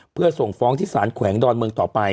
เพื่อส่งฟ้องที่สารแขวงดอนเมืองต่อไป